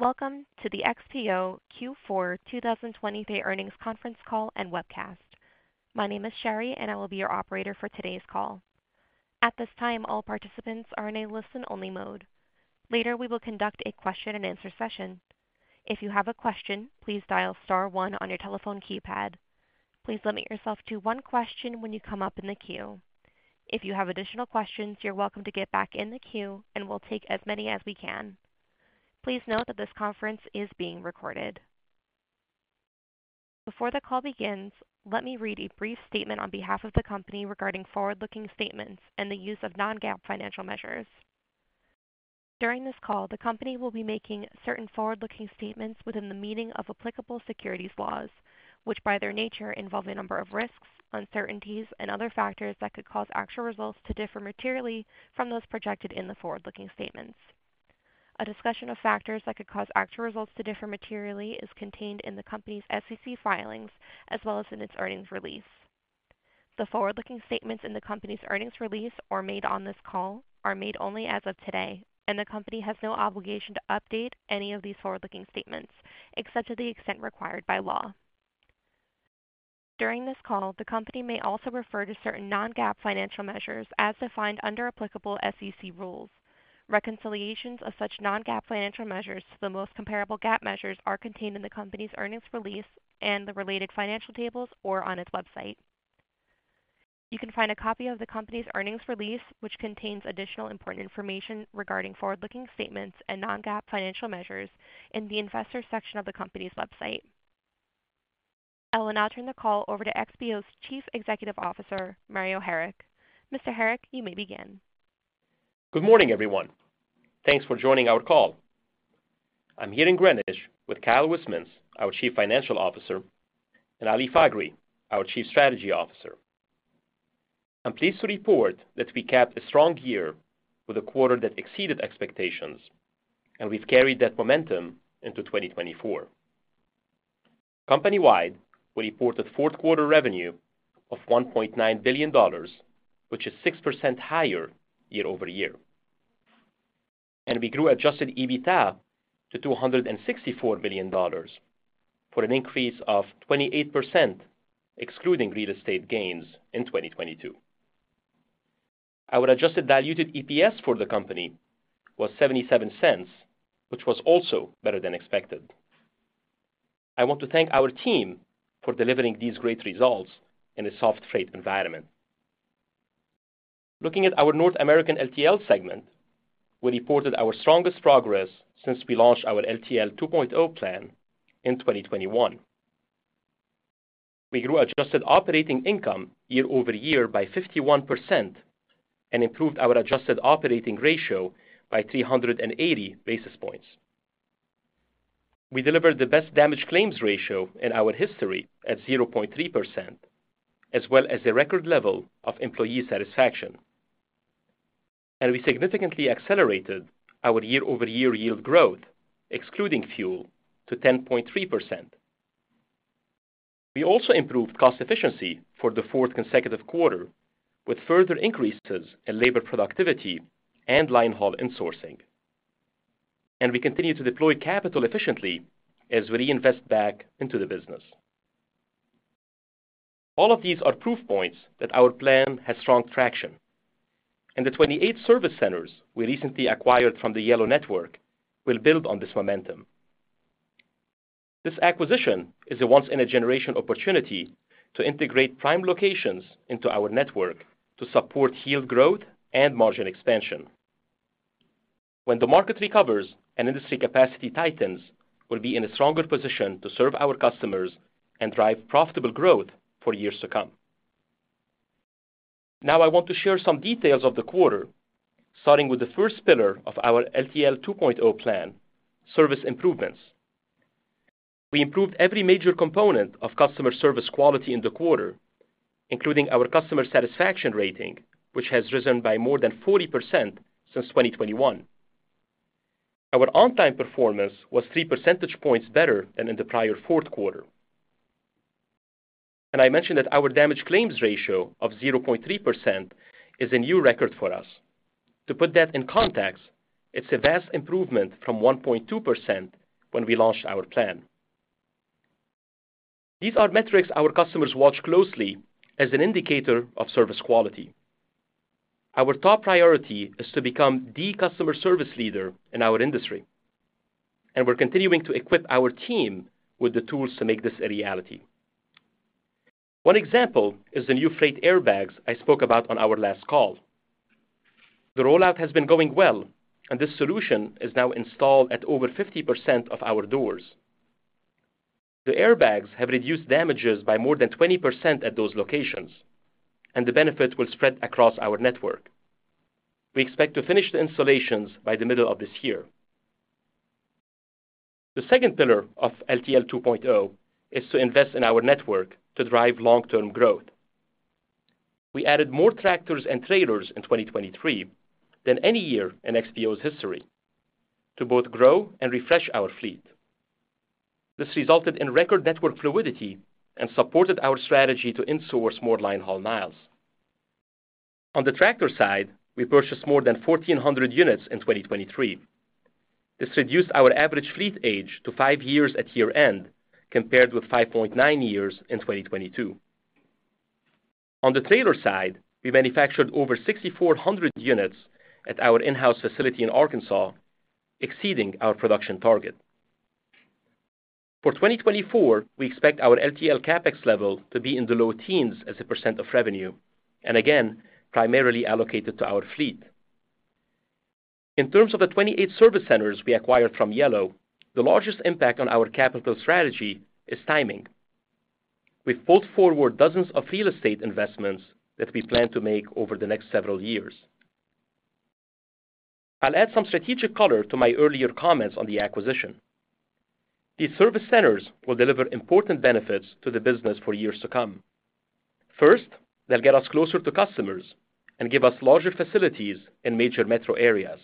Welcome to the XPO Q4 2023 earnings conference call and webcast. My name is Sherry, and I will be your operator for today's call. At this time, all participants are in a listen-only mode. Later, we will conduct a question-and-answer session. If you have a question, please dial star one on your telephone keypad. Please limit yourself to one question when you come up in the queue. If you have additional questions, you're welcome to get back in the queue and we'll take as many as we can. Please note that this conference is being recorded. Before the call begins, let me read a brief statement on behalf of the company regarding forward-looking statements and the use of non-GAAP financial measures. During this call, the company will be making certain forward-looking statements within the meaning of applicable securities laws, which by their nature, involve a number of risks, uncertainties, and other factors that could cause actual results to differ materially from those projected in the forward-looking statements. A discussion of factors that could cause actual results to differ materially is contained in the company's SEC filings, as well as in its earnings release. The forward-looking statements in the company's earnings release or made on this call are made only as of today, and the company has no obligation to update any of these forward-looking statements, except to the extent required by law. During this call, the company may also refer to certain non-GAAP financial measures as defined under applicable SEC rules. Reconciliations of such non-GAAP financial measures to the most comparable GAAP measures are contained in the company's earnings release and the related financial tables or on its website. You can find a copy of the company's earnings release, which contains additional important information regarding forward-looking statements and non-GAAP financial measures in the investor section of the company's website. I will now turn the call over to XPO's Chief Executive Officer, Mario Harik. Mr. Harik, you may begin. Good morning, everyone. Thanks for joining our call. I'm here in Greenwich with Kyle Wismans, our Chief Financial Officer, and Ali Faghri, our Chief Strategy Officer. I'm pleased to report that we capped a strong year with a quarter that exceeded expectations, and we've carried that momentum into 2024. Company-wide, we reported fourth quarter revenue of $1.9 billion, which is 6% higher year-over-year. And we grew adjusted EBITDA to $264 million, for an increase of 28%, excluding real estate gains in 2022. Our adjusted diluted EPS for the company was $0.77, which was also better than expected. I want to thank our team for delivering these great results in a soft freight environment. Looking at our North American LTL segment, we reported our strongest progress since we launched our LTL 2.0 plan in 2021. We grew adjusted operating income year-over-year by 51% and improved our adjusted operating ratio by 380 basis points. We delivered the best damage claims ratio in our history at 0.3%, as well as a record level of employee satisfaction. And we significantly accelerated our year-over-year yield growth, excluding fuel, to 10.3%. We also improved cost efficiency for the fourth consecutive quarter, with further increases in labor productivity and line haul insourcing. And we continue to deploy capital efficiently as we reinvest back into the business. All of these are proof points that our plan has strong traction, and the 28 service centers we recently acquired from the Yellow Network will build on this momentum. This acquisition is a once-in-a-generation opportunity to integrate prime locations into our network to support yield growth and margin expansion. When the market recovers and industry capacity tightens, we'll be in a stronger position to serve our customers and drive profitable growth for years to come. Now, I want to share some details of the quarter, starting with the first pillar of our LTL 2.0 plan: service improvements. We improved every major component of customer service quality in the quarter, including our customer satisfaction rating, which has risen by more than 40% since 2021. Our on-time performance was 3 percentage points better than in the prior fourth quarter. And I mentioned that our damage claims ratio of 0.3% is a new record for us. To put that in context, it's a vast improvement from 1.2% when we launched our plan. These are metrics our customers watch closely as an indicator of service quality. Our top priority is to become the customer service leader in our industry, and we're continuing to equip our team with the tools to make this a reality. One example is the new freight airbags I spoke about on our last call. The rollout has been going well, and this solution is now installed at over 50% of our doors. The airbags have reduced damages by more than 20% at those locations, and the benefit will spread across our network. We expect to finish the installations by the middle of this year. The second pillar of LTL 2.0 is to invest in our network to drive long-term growth. We added more tractors and trailers in 2023 than any year in XPO's history to both grow and refresh our fleet. This resulted in record network fluidity and supported our strategy to insource more line haul miles.... On the tractor side, we purchased more than 1,400 units in 2023. This reduced our average fleet age to five years at year-end, compared with 5.9 years in 2022. On the trailer side, we manufactured over 6,400 units at our in-house facility in Arkansas, exceeding our production target. For 2024, we expect our LTL CapEx level to be in the low teens as a percent of revenue, and again, primarily allocated to our fleet. In terms of the 28 service centers we acquired from Yellow, the largest impact on our capital strategy is timing. We pulled forward dozens of real estate investments that we plan to make over the next several years. I'll add some strategic color to my earlier comments on the acquisition. These service centers will deliver important benefits to the business for years to come. First, they'll get us closer to customers and give us larger facilities in major metro areas.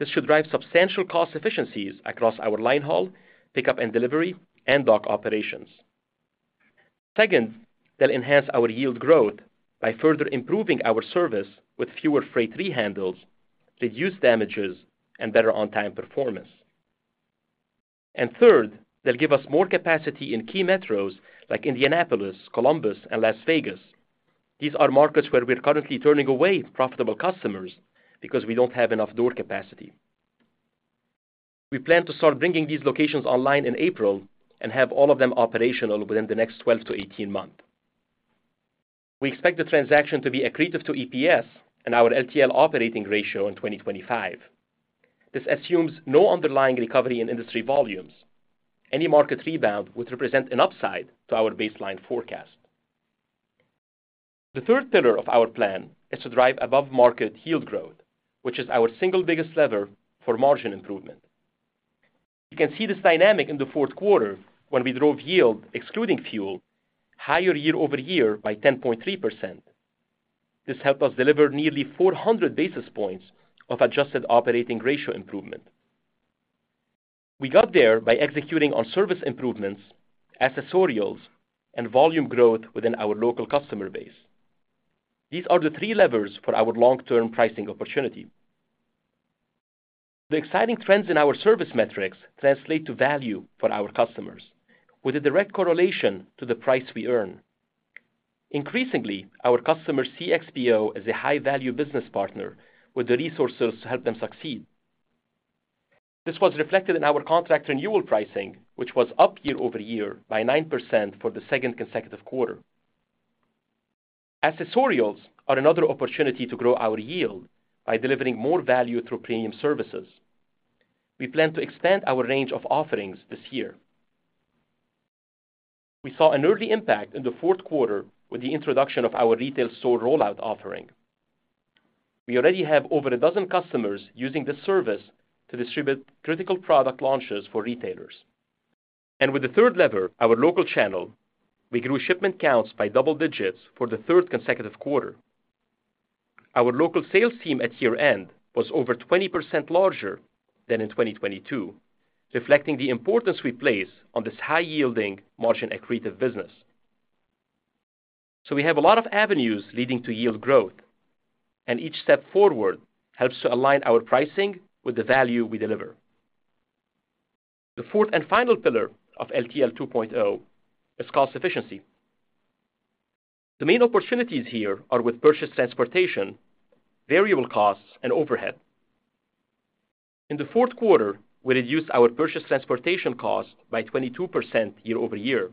This should drive substantial cost efficiencies across our line haul, pickup and delivery, and dock operations. Second, they'll enhance our yield growth by further improving our service with fewer freight rehandles, reduced damages, and better on-time performance. And third, they'll give us more capacity in key metros like Indianapolis, Columbus, and Las Vegas. These are markets where we are currently turning away profitable customers because we don't have enough door capacity. We plan to start bringing these locations online in April and have all of them operational within the next 12-18 months. We expect the transaction to be accretive to EPS and our LTL operating ratio in 2025. This assumes no underlying recovery in industry volumes. Any market rebound would represent an upside to our baseline forecast. The third pillar of our plan is to drive above-market yield growth, which is our single biggest lever for margin improvement. You can see this dynamic in the fourth quarter, when we drove yield, excluding fuel, higher year-over-year by 10.3%. This helped us deliver nearly 400 basis points of adjusted operating ratio improvement. We got there by executing on service improvements, accessorials, and volume growth within our local customer base. These are the three levers for our long-term pricing opportunity. The exciting trends in our service metrics translate to value for our customers, with a direct correlation to the price we earn. Increasingly, our customers see XPO as a high-value business partner with the resources to help them succeed. This was reflected in our contract renewal pricing, which was up year-over-year by 9% for the second consecutive quarter. Accessorials are another opportunity to grow our yield by delivering more value through premium services. We plan to expand our range of offerings this year. We saw an early impact in the fourth quarter with the introduction of our Retail Store Rollout offering. We already have over a dozen customers using this service to distribute critical product launches for retailers. And with the third lever, our local channel, we grew shipment counts by double digits for the third consecutive quarter. Our local sales team at year-end was over 20% larger than in 2022, reflecting the importance we place on this high-yielding, margin-accretive business. So we have a lot of avenues leading to yield growth, and each step forward helps to align our pricing with the value we deliver. The fourth and final pillar of LTL 2.0 is cost efficiency. The main opportunities here are with purchase transportation, variable costs, and overhead. In the fourth quarter, we reduced our purchase transportation cost by 22% year over year,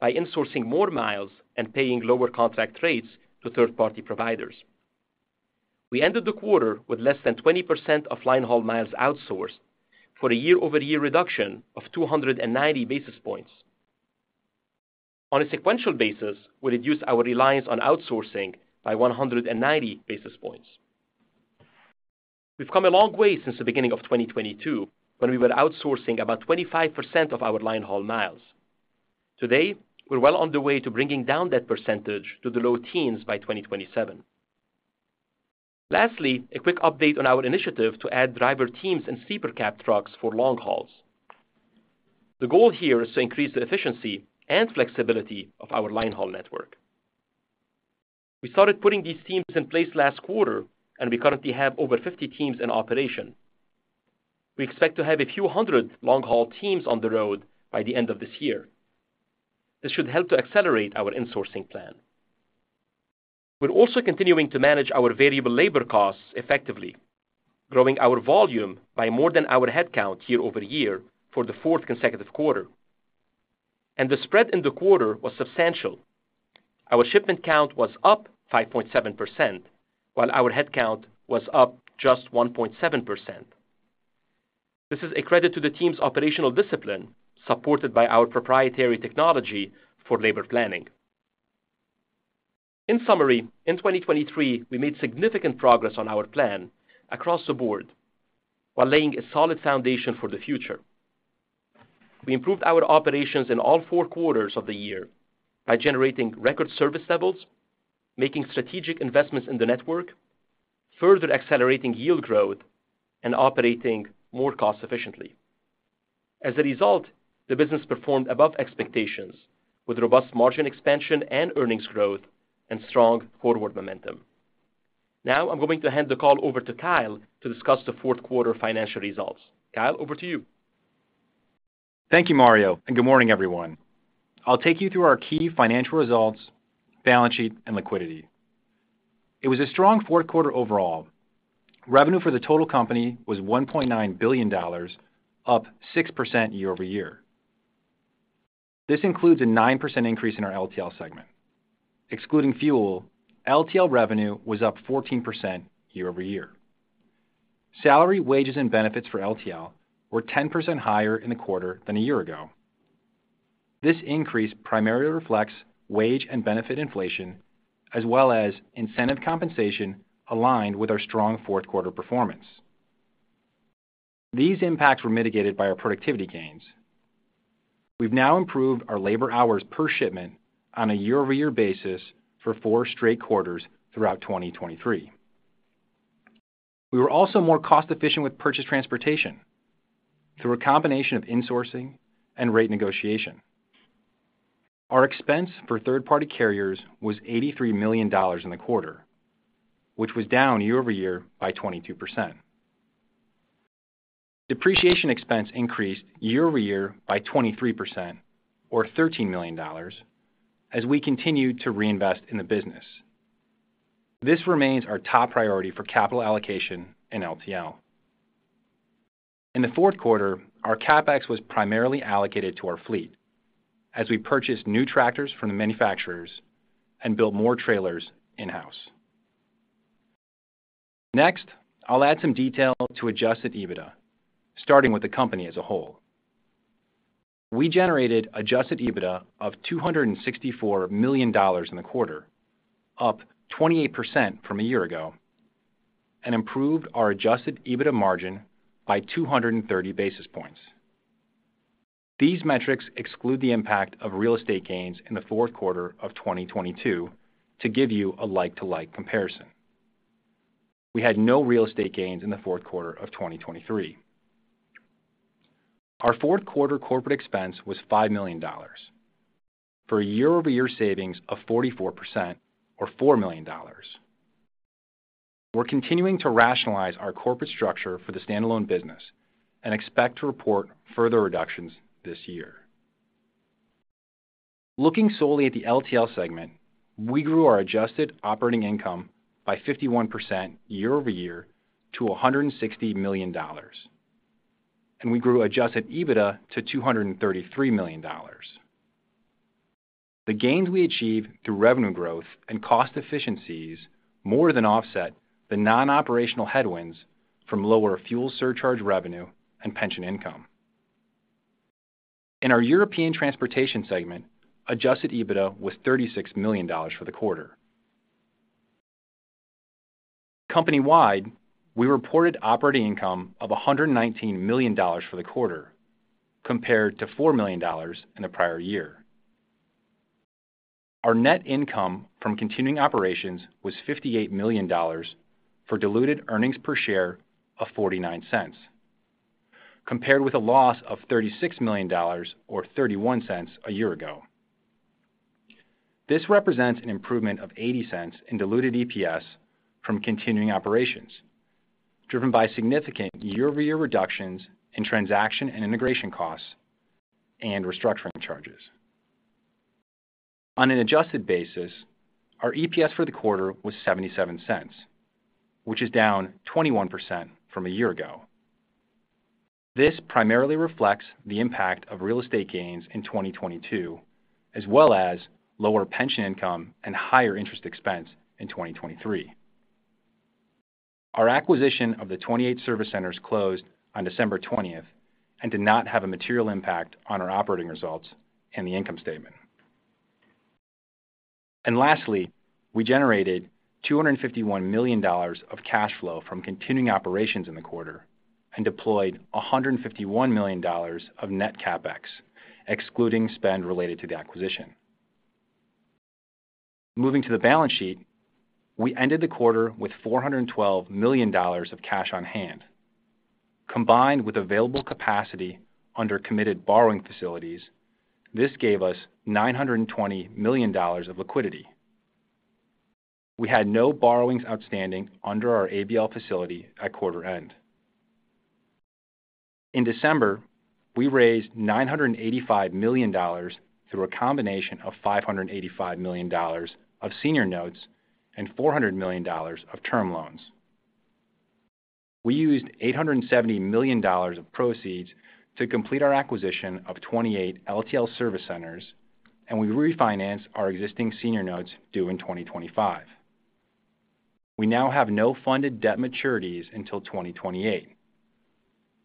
by insourcing more miles and paying lower contract rates to third-party providers. We ended the quarter with less than 20% of line haul miles outsourced, for a year-over-year reduction of 290 basis points. On a sequential basis, we reduced our reliance on outsourcing by 190 basis points. We've come a long way since the beginning of 2022, when we were outsourcing about 25% of our line haul miles. Today, we're well on the way to bringing down that percentage to the low teens by 2027. Lastly, a quick update on our initiative to add driver teams and sleeper cab trucks for long hauls. The goal here is to increase the efficiency and flexibility of our line haul network. We started putting these teams in place last quarter, and we currently have over 50 teams in operation. We expect to have a few hundred long-haul teams on the road by the end of this year. This should help to accelerate our insourcing plan. We're also continuing to manage our variable labor costs effectively, growing our volume by more than our headcount year-over-year for the fourth consecutive quarter. And the spread in the quarter was substantial. Our shipment count was up 5.7%, while our headcount was up just 1.7%. This is a credit to the team's operational discipline, supported by our proprietary technology for labor planning. In summary, in 2023, we made significant progress on our plan across the board while laying a solid foundation for the future. We improved our operations in all four quarters of the year by generating record service levels, making strategic investments in the network, further accelerating yield growth, and operating more cost efficiently. As a result, the business performed above expectations, with robust margin expansion and earnings growth and strong forward momentum. Now, I'm going to hand the call over to Kyle to discuss the fourth quarter financial results. Kyle, over to you. Thank you, Mario, and good morning, everyone. I'll take you through our key financial results, balance sheet, and liquidity. It was a strong fourth quarter overall. Revenue for the total company was $1.9 billion, up 6% year-over-year. This includes a 9% increase in our LTL segment. Excluding fuel, LTL revenue was up 14% year-over-year. Salary, wages, and benefits for LTL were 10% higher in the quarter than a year ago. This increase primarily reflects wage and benefit inflation, as well as incentive compensation aligned with our strong fourth quarter performance. These impacts were mitigated by our productivity gains. We've now improved our labor hours per shipment on a year-over-year basis for four straight quarters throughout 2023. We were also more cost-efficient with purchase transportation through a combination of insourcing and rate negotiation. Our expense for third-party carriers was $83 million in the quarter, which was down year-over-year by 22%. Depreciation expense increased year-over-year by 23%, or $13 million, as we continued to reinvest in the business. This remains our top priority for capital allocation in LTL. In the fourth quarter, our CapEx was primarily allocated to our fleet as we purchased new tractors from the manufacturers and built more trailers in-house. Next, I'll add some detail to Adjusted EBITDA, starting with the company as a whole. We generated Adjusted EBITDA of $264 million in the quarter, up 28% from a year ago, and improved our Adjusted EBITDA margin by 230 basis points. These metrics exclude the impact of real estate gains in the fourth quarter of 2022, to give you a like-to-like comparison. We had no real estate gains in the fourth quarter of 2023. Our fourth quarter corporate expense was $5 million, for a year-over-year savings of 44%, or $4 million. We're continuing to rationalize our corporate structure for the standalone business and expect to report further reductions this year. Looking solely at the LTL segment, we grew our adjusted operating income by 51% year-over-year to $160 million, and we grew adjusted EBITDA to $233 million. The gains we achieved through revenue growth and cost efficiencies more than offset the non-operational headwinds from lower fuel surcharge revenue and pension income. In our European transportation segment, adjusted EBITDA was $36 million for the quarter. Company-wide, we reported operating income of $119 million for the quarter, compared to $4 million in the prior year. Our net income from continuing operations was $58 million, for diluted earnings per share of $0.49, compared with a loss of $36 million, or $0.31 a year ago. This represents an improvement of $0.80 in diluted EPS from continuing operations, driven by significant year-over-year reductions in transaction and integration costs and restructuring charges. On an adjusted basis, our EPS for the quarter was $0.77, which is down 21% from a year ago. This primarily reflects the impact of real estate gains in 2022, as well as lower pension income and higher interest expense in 2023. Our acquisition of the 28 service centers closed on December 20th and did not have a material impact on our operating results and the income statement. And lastly, we generated $251 million of cash flow from continuing operations in the quarter and deployed $151 million of net CapEx, excluding spend related to the acquisition. Moving to the balance sheet, we ended the quarter with $412 million of cash on hand. Combined with available capacity under committed borrowing facilities, this gave us $920 million of liquidity. We had no borrowings outstanding under our ABL facility at quarter end. In December, we raised $985 million through a combination of $585 million of senior notes and $400 million of term loans. We used $870 million of proceeds to complete our acquisition of 28 LTL service centers, and we refinanced our existing senior notes due in 2025. We now have no funded debt maturities until 2028.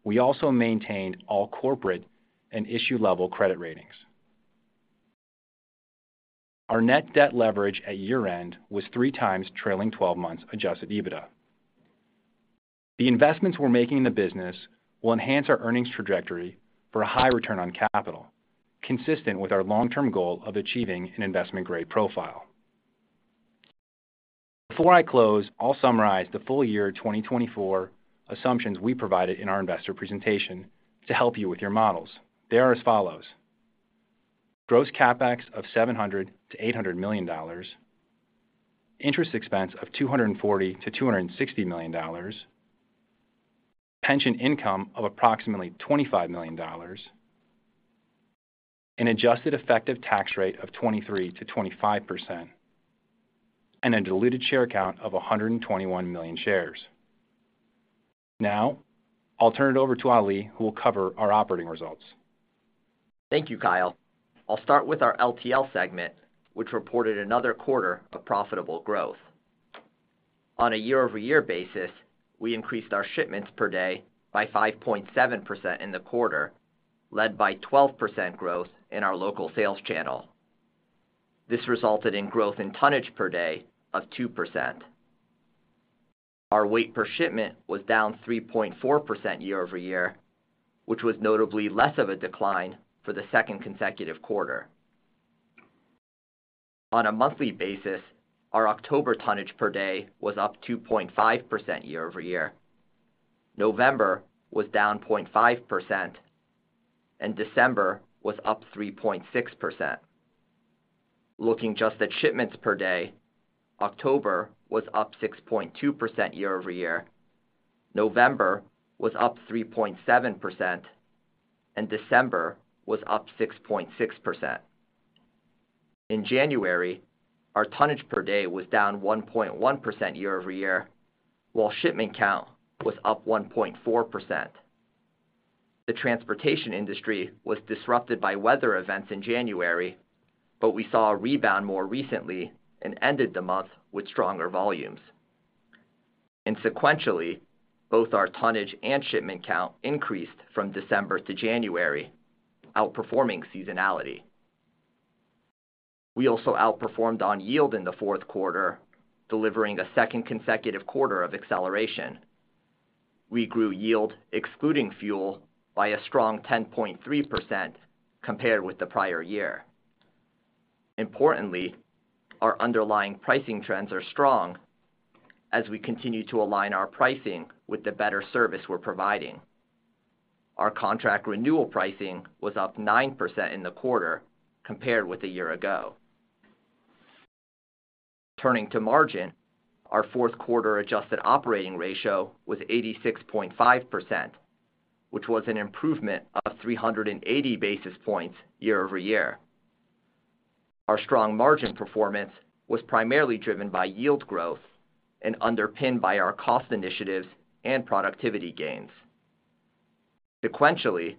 We also maintained all corporate and issue-level credit ratings. Our net debt leverage at year-end was 3x trailing twelve months adjusted EBITDA. The investments we're making in the business will enhance our earnings trajectory for a high return on capital, consistent with our long-term goal of achieving an investment-grade profile.... Before I close, I'll summarize the full year 2024 assumptions we provided in our investor presentation to help you with your models. They are as follows: gross CapEx of $700 million-$800 million, interest expense of $240 million-$260 million, pension income of approximately $25 million, an adjusted effective tax rate of 23%-25%, and a diluted share count of 121 million shares. Now, I'll turn it over to Ali, who will cover our operating results. Thank you, Kyle. I'll start with our LTL segment, which reported another quarter of profitable growth. On a year-over-year basis, we increased our shipments per day by 5.7% in the quarter, led by 12% growth in our local sales channel. This resulted in growth in tonnage per day of 2%. Our weight per shipment was down 3.4% year over year, which was notably less of a decline for the second consecutive quarter. On a monthly basis, our October tonnage per day was up 2.5% year over year, November was down 0.5%, and December was up 3.6%. Looking just at shipments per day, October was up 6.2% year over year, November was up 3.7%, and December was up 6.6%. In January, our tonnage per day was down 1.1% year-over-year, while shipment count was up 1.4%. The transportation industry was disrupted by weather events in January, but we saw a rebound more recently and ended the month with stronger volumes. And sequentially, both our tonnage and shipment count increased from December to January, outperforming seasonality. We also outperformed on yield in the fourth quarter, delivering a second consecutive quarter of acceleration. We grew yield, excluding fuel, by a strong 10.3% compared with the prior year. Importantly, our underlying pricing trends are strong as we continue to align our pricing with the better service we're providing. Our contract renewal pricing was up 9% in the quarter compared with a year ago. Turning to margin, our fourth quarter adjusted operating ratio was 86.5%, which was an improvement of 380 basis points year-over-year. Our strong margin performance was primarily driven by yield growth and underpinned by our cost initiatives and productivity gains. Sequentially,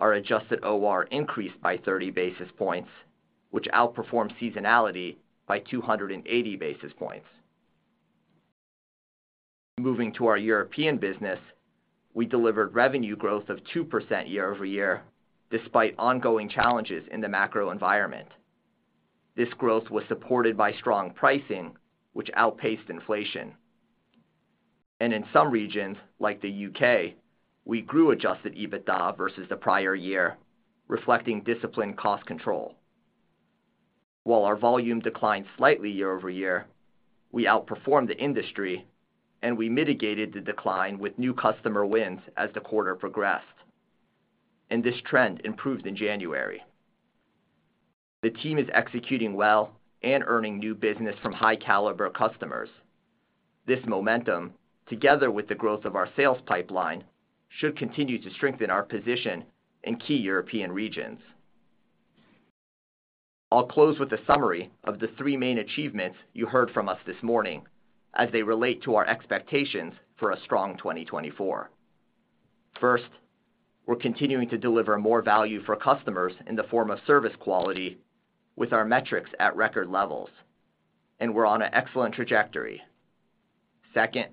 our adjusted OR increased by 30 basis points, which outperformed seasonality by 280 basis points. Moving to our European business, we delivered revenue growth of 2% year-over-year, despite ongoing challenges in the macro environment. This growth was supported by strong pricing, which outpaced inflation. And in some regions, like the U.K., we grew adjusted EBITDA versus the prior year, reflecting disciplined cost control. While our volume declined slightly year-over-year, we outperformed the industry, and we mitigated the decline with new customer wins as the quarter progressed, and this trend improved in January. The team is executing well and earning new business from high-caliber customers. This momentum, together with the growth of our sales pipeline, should continue to strengthen our position in key European regions. I'll close with a summary of the three main achievements you heard from us this morning as they relate to our expectations for a strong 2024. First, we're continuing to deliver more value for customers in the form of service quality with our metrics at record levels, and we're on an excellent trajectory. Second,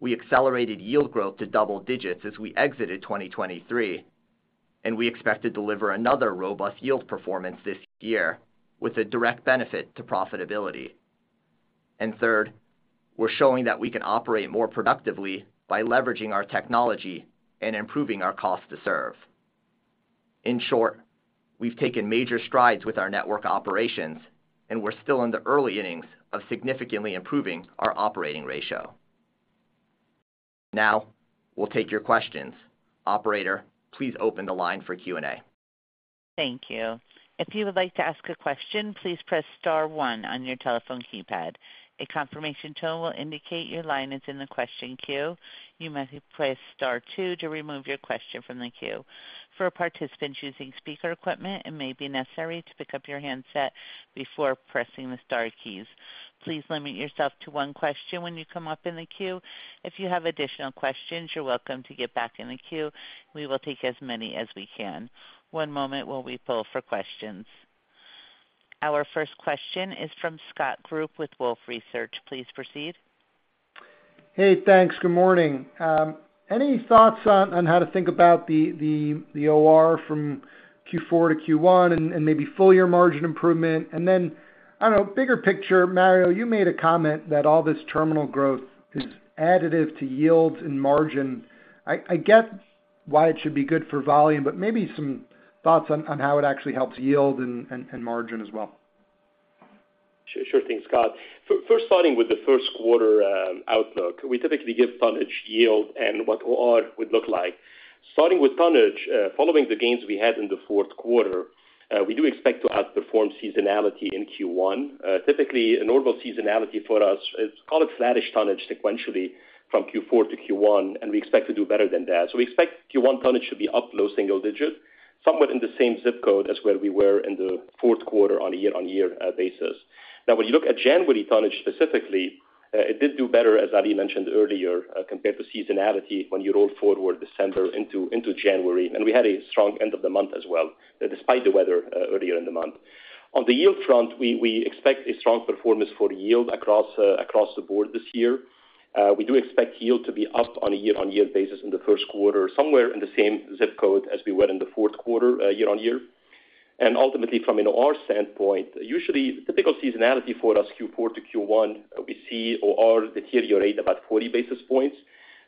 we accelerated yield growth to double digits as we exited 2023, and we expect to deliver another robust yield performance this year with a direct benefit to profitability. And third, we're showing that we can operate more productively by leveraging our technology and improving our cost to serve. In short, we've taken major strides with our network operations, and we're still in the early innings of significantly improving our operating ratio. Now, we'll take your questions. Operator, please open the line for Q&A. Thank you. If you would like to ask a question, please press star one on your telephone keypad. A confirmation tone will indicate your line is in the question queue. You may press star two to remove your question from the queue. For participants using speaker equipment, it may be necessary to pick up your handset before pressing the star keys. Please limit yourself to one question when you come up in the queue. If you have additional questions, you're welcome to get back in the queue. We will take as many as we can. One moment while we pull for questions. Our first question is from Scott Group with Wolfe Research. Please proceed. Hey, thanks. Good morning. Any thoughts on how to think about the OR from Q4 to Q1 and maybe full year margin improvement? And then, I don't know, bigger picture, Mario, you made a comment that all this terminal growth is additive to yields and margin. I get why it should be good for volume, but maybe some thoughts on how it actually helps yield and margin as well. Sure, sure thing, Scott. So first, starting with the first quarter outlook, we typically give tonnage yield and what OR would look like. Starting with tonnage, following the gains we had in the fourth quarter, we do expect to outperform seasonality in Q1. Typically, a normal seasonality for us is, call it flattish tonnage sequentially from Q4 to Q1, and we expect to do better than that. So we expect Q1 tonnage to be up low single digit, somewhat in the same zip code as where we were in the fourth quarter on a year-on-year basis. Now, when you look at January tonnage specifically, it did do better, as Ali mentioned earlier, compared to seasonality when you roll forward December into January. And we had a strong end of the month as well, despite the weather earlier in the month. On the yield front, we expect a strong performance for yield across, across the board this year. We do expect yield to be up on a year-on-year basis in the first quarter, somewhere in the same zip code as we were in the fourth quarter, year-on-year. And ultimately, from an OR standpoint, usually, typical seasonality for us, Q4 to Q1, we see OR deteriorate about 40 basis points,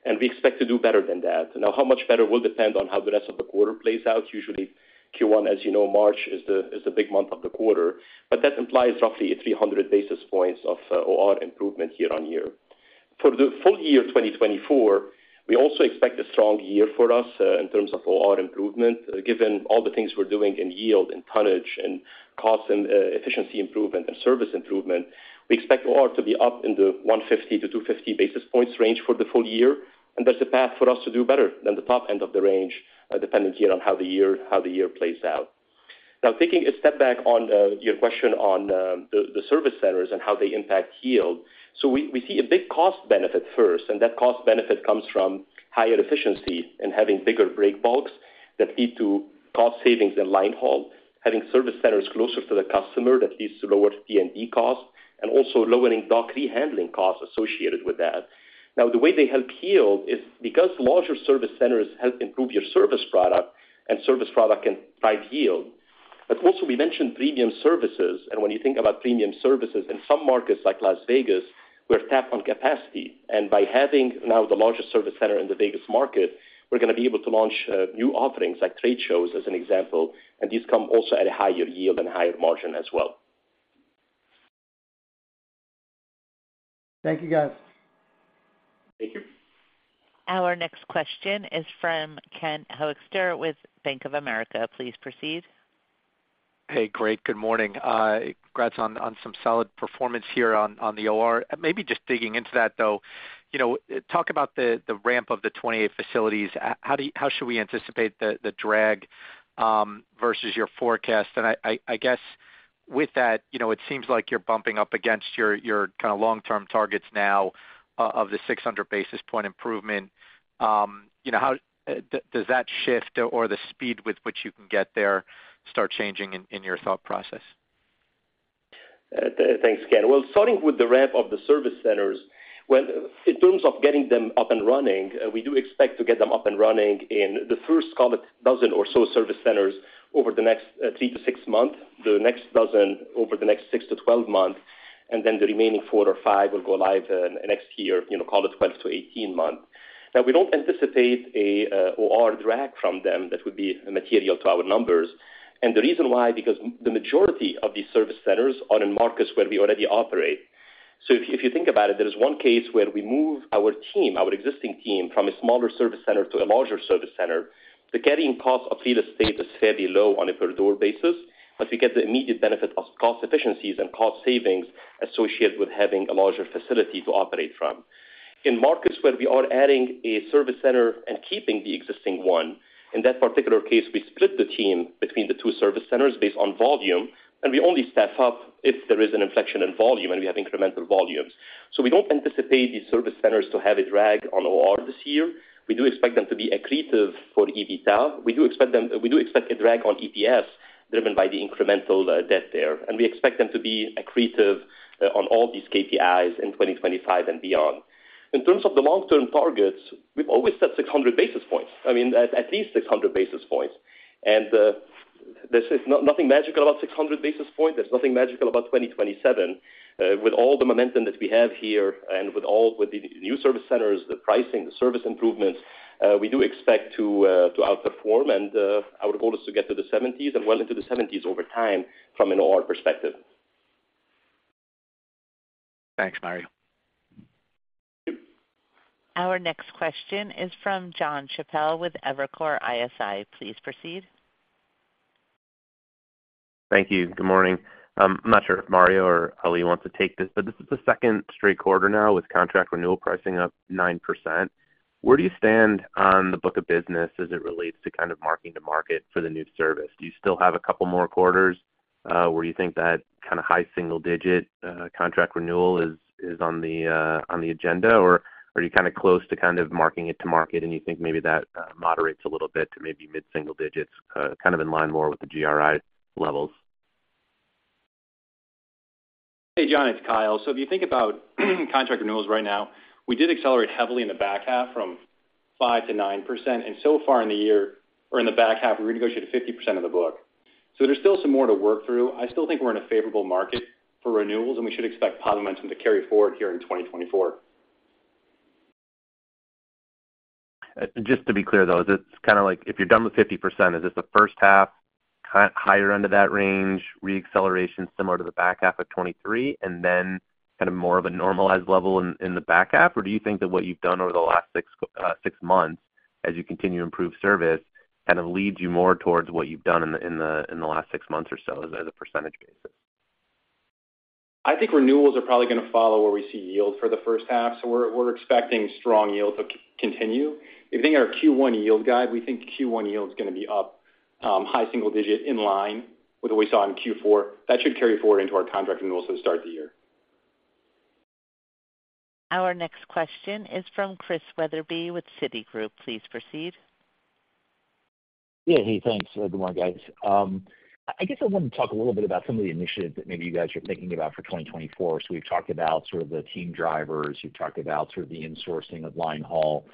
and we expect to do better than that. Now, how much better will depend on how the rest of the quarter plays out. Usually, Q1, as you know, March is the big month of the quarter, but that implies roughly 300 basis points of OR improvement year-on-year. For the full year, 2024, we also expect a strong year for us in terms of OR improvement. Given all the things we're doing in yield and tonnage and cost and efficiency improvement and service improvement, we expect OR to be up in the 150-250 basis points range for the full year. And there's a path for us to do better than the top end of the range, depending here on how the year plays out. Now, taking a step back on your question on the service centers and how they impact yield. So we see a big cost benefit first, and that cost benefit comes from higher efficiency and having bigger break bulks that lead to cost savings in line haul, having service centers closer to the customer, that leads to lower P&D costs, and also lowering dock rehandling costs associated with that. Now, the way they help yield is because larger service centers help improve your service product, and service product can drive yield. But also, we mentioned premium services, and when you think about premium services, in some markets, like Las Vegas, we're tapped on capacity. And by having now the largest service center in the Vegas market, we're gonna be able to launch new offerings, like trade shows, as an example, and these come also at a higher yield and higher margin as well. Thank you, guys. Thank you. Our next question is from Ken Hoexter with Bank of America. Please proceed. Hey, great. Good morning. Congrats on some solid performance here on the OR. Maybe just digging into that, though, you know, talk about the ramp of the 28 facilities. How do you—how should we anticipate the drag versus your forecast? And I guess with that, you know, it seems like you're bumping up against your kind of long-term targets now of the 600 basis point improvement. You know, how does that shift or the speed with which you can get there start changing in your thought process? Thanks, Ken. Well, starting with the ramp of the service centers, well, in terms of getting them up and running, we do expect to get them up and running in the first, call it dozen or so service centers over the next 3-6 months, the next dozen over the next 6-12 months, and then the remaining four or five will go live next year, you know, call it 12-18 months. Now, we don't anticipate a OR drag from them that would be material to our numbers. And the reason why, because the majority of these service centers are in markets where we already operate. So if, if you think about it, there is one case where we move our team, our existing team, from a smaller service center to a larger service center. The carrying cost of real estate is fairly low on a per door basis, but we get the immediate benefit of cost efficiencies and cost savings associated with having a larger facility to operate from. In markets where we are adding a service center and keeping the existing one, in that particular case, we split the team between the two service centers based on volume, and we only staff up if there is an inflection in volume and we have incremental volumes. So we don't anticipate these service centers to have a drag on OR this year. We do expect them to be accretive for EBITDA. We do expect a drag on EPS, driven by the incremental debt there, and we expect them to be accretive on all these KPIs in 2025 and beyond. In terms of the long-term targets, we've always said 600 basis points. I mean, at least 600 basis points. And there's nothing magical about 600 basis points. There's nothing magical about 2027. With all the momentum that we have here and with all the new service centers, the pricing, the service improvements, we do expect to outperform, and our goal is to get to the 70s and well into the 70s over time from an OR perspective. Thanks, Mario. Our next question is from John Chappell with Evercore ISI. Please proceed. Thank you. Good morning. I'm not sure if Mario or Ali wants to take this, but this is the second straight quarter now with contract renewal pricing up 9%. Where do you stand on the book of business as it relates to kind of marking to market for the new service? Do you still have a couple more quarters, where you think that kind of high single digit contract renewal is on the agenda, or are you kind of close to kind of marking it to market, and you think maybe that moderates a little bit to maybe mid-single digits, kind of in line more with the GRI levels? Hey, John, it's Kyle. So if you think about contract renewals right now, we did accelerate heavily in the back half from 5%-9%, and so far in the year or in the back half, we renegotiated 50% of the book. So there's still some more to work through. I still think we're in a favorable market for renewals, and we should expect positive momentum to carry forward here in 2024. Just to be clear, though, is it kind of like if you're done with 50%, is this the first half, kinda higher end of that range, reacceleration similar to the back half of 2023, and then kind of more of a normalized level in the back half? Or do you think that what you've done over the last six months as you continue to improve service, kind of leads you more towards what you've done in the last six months or so as a percentage basis? I think renewals are probably going to follow where we see yield for the first half, so we're expecting strong yield to continue. If you think our Q1 yield guide, we think Q1 yield is going to be up high single digit in line with what we saw in Q4. That should carry forward into our contract renewals to start the year. Our next question is from Chris Wetherbee with Citigroup. Please proceed. Yeah, hey, thanks. Good morning, guys. I guess I wanted to talk a little bit about some of the initiatives that maybe you guys are thinking about for 2024. So we've talked about sort of the team drivers. You've talked about sort of the insourcing of line haul.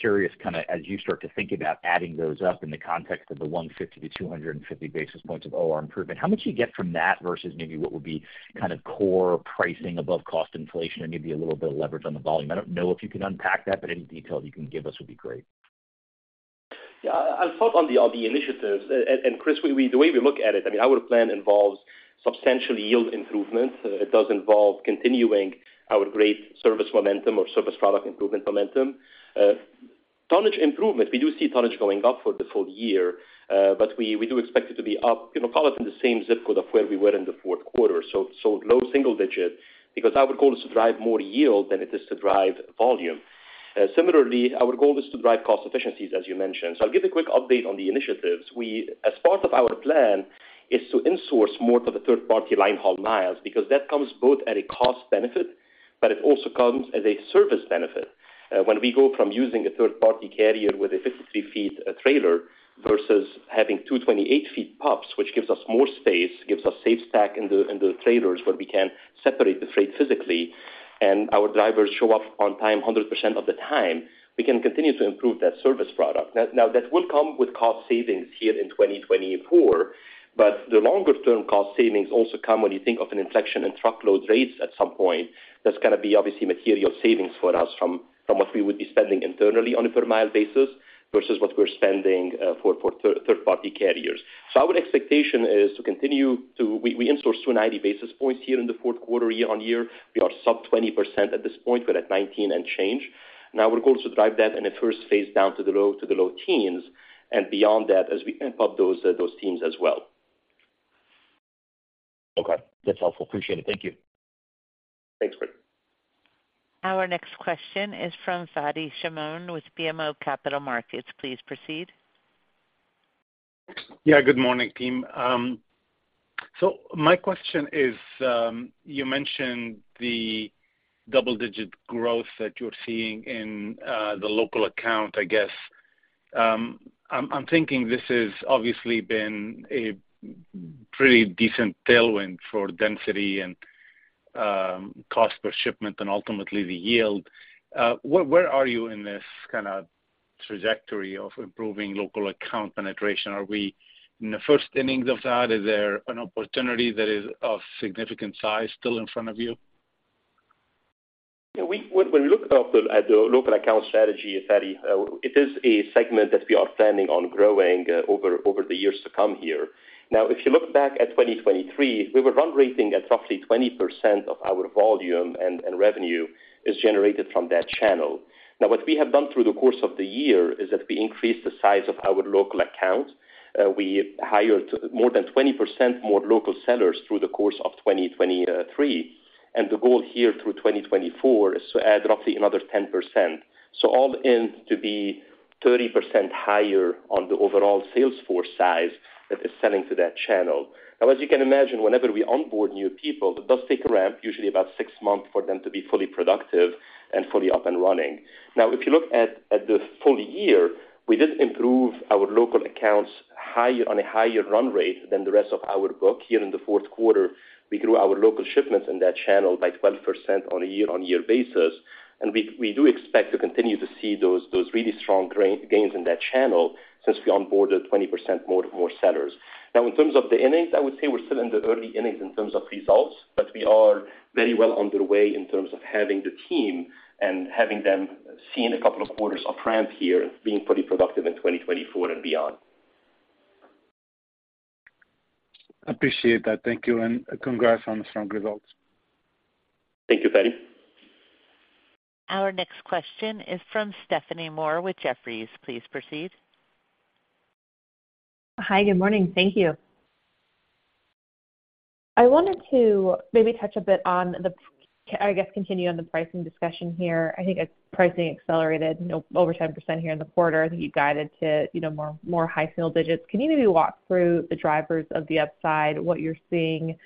Curious, kind of as you start to think about adding those up in the context of the 150-250 basis points of OR improvement, how much do you get from that versus maybe what would be kind of core pricing above cost inflation and maybe a little bit of leverage on the volume? I don't know if you can unpack that, but any detail you can give us would be great. Yeah, I'll start on the initiatives. And Chris, we -- the way we look at it, I mean, our plan involves substantial yield improvement. It does involve continuing our great service momentum or service product improvement momentum. Tonnage improvement, we do see tonnage going up for the full year, but we do expect it to be up, you know, call it in the same zip code of where we were in the fourth quarter. So low single digit, because our goal is to drive more yield than it is to drive volume. Similarly, our goal is to drive cost efficiencies, as you mentioned. So I'll give a quick update on the initiatives. We, as part of our plan, is to insource more of the third-party line haul miles, because that comes both at a cost benefit, but it also comes as a service benefit. When we go from using a third-party carrier with a 53-foot trailer versus having two 28-foot pups, which gives us more space, gives us SafeStack in the trailers where we can separate the freight physically, and our drivers show up on time 100% of the time, we can continue to improve that service product. Now, that will come with cost savings here in 2024, but the longer term cost savings also come when you think of an inflection in truckload rates at some point. That's gonna be obviously material savings for us from what we would be spending internally on a per mile basis versus what we're spending for third-party carriers. So our expectation is to continue to... We insource to 90 basis points here in the fourth quarter, year-on-year. We are sub 20% at this point. We're at 19% unchanged. Now our goal is to drive that in the first phase down to the low teens and beyond that as we ramp up those teams as well. Okay. That's helpful. Appreciate it. Thank you. Thanks, Chris. Our next question is from Fadi Chamoun with BMO Capital Markets. Please proceed. Yeah, good morning, team. So my question is, you mentioned the double-digit growth that you're seeing in the local account, I guess. I'm, I'm thinking this has obviously been a pretty decent tailwind for density and cost per shipment and ultimately the yield. Where, where are you in this kind of trajectory of improving local account penetration? Are we in the first innings of that? Is there an opportunity that is of significant size still in front of you? Yeah, we -- when, when we look at the, at the local account strategy, Fadi, it is a segment that we are planning on growing, over, over the years to come here. Now, if you look back at 2023, we were run rating at roughly 20% of our volume and, and revenue is generated from that channel. Now, what we have done through the course of the year is that we increased the size of our local account. We hired more than 20% more local sellers through the course of 2023. And the goal here through 2024 is to add roughly another 10%. So all in to be 30% higher on the overall sales force size that is selling to that channel. Now, as you can imagine, whenever we onboard new people, it does take a ramp, usually about six months, for them to be fully productive and fully up and running. Now, if you look at the full year, we did improve our local accounts higher, on a higher run rate than the rest of our book. Here in the fourth quarter, we grew our local shipments in that channel by 12% on a year-on-year basis, and we do expect to continue to see those really strong gains in that channel since we onboarded 20% more sellers. Now, in terms of the innings, I would say we're still in the early innings in terms of results, but we are very well underway in terms of having the team and having them seen a couple of quarters of ramp here, being pretty productive in 2024 and beyond. Appreciate that. Thank you, and congrats on the strong results. Thank you, Fadi. Our next question is from Stephanie Moore with Jefferies. Please proceed. Hi, good morning. Thank you. I wanted to maybe touch a bit on the, I guess, continue on the pricing discussion here. I think pricing accelerated, you know, over 10% here in the quarter. I think you guided to, you know, more, more high single digits. Can you maybe walk through the drivers of the upside, what you're seeing,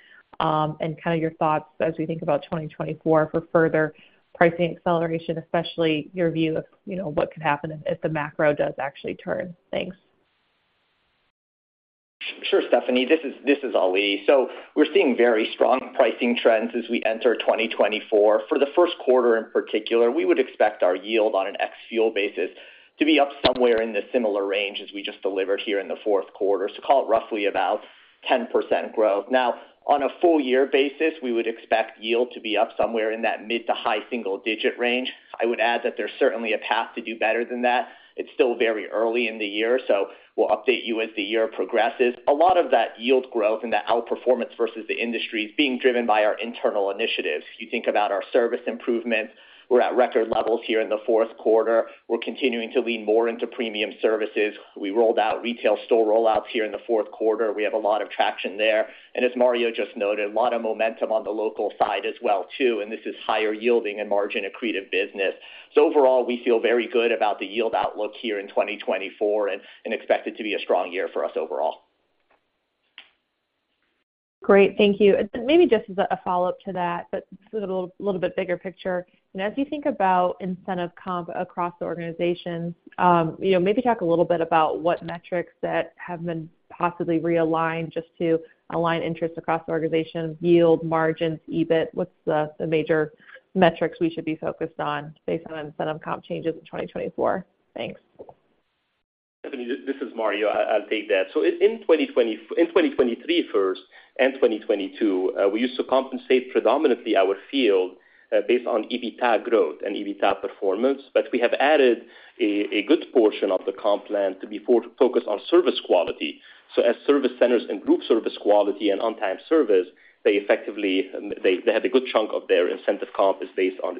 and kind of your thoughts as we think about 2024 for further pricing acceleration, especially your view of, you know, what could happen if, if the macro does actually turn? Thanks. ... Sure, Stephanie, this is, this is Ali. So we're seeing very strong pricing trends as we enter 2024. For the first quarter, in particular, we would expect our yield on an ex-fuel basis to be up somewhere in the similar range as we just delivered here in the fourth quarter. So call it roughly about 10% growth. Now, on a full year basis, we would expect yield to be up somewhere in that mid to high single digit range. I would add that there's certainly a path to do better than that. It's still very early in the year, so we'll update you as the year progresses. A lot of that yield growth and that outperformance versus the industry is being driven by our internal initiatives. You think about our service improvements, we're at record levels here in the fourth quarter. We're continuing to lean more into premium services. We rolled out retail store rollouts here in the fourth quarter. We have a lot of traction there, and as Mario just noted, a lot of momentum on the local side as well, too, and this is higher yielding and margin accretive business. So overall, we feel very good about the yield outlook here in 2024 and, and expect it to be a strong year for us overall. Great, thank you. Maybe just as a follow-up to that, but sort of a little, little bit bigger picture. You know, as you think about incentive comp across the organization, you know, maybe talk a little bit about what metrics that have been possibly realigned just to align interests across the organization, yield, margins, EBIT, what's the, the major metrics we should be focused on based on incentive comp changes in 2024? Thanks. Stephanie, this is Mario. I'll take that. So in 2023 first, and 2022, we used to compensate predominantly our field based on EBITDA growth and EBITDA performance, but we have added a good portion of the comp plan to be focused on service quality. So as service centers improve service quality and on-time service, they effectively, they had a good chunk of their incentive comp is based on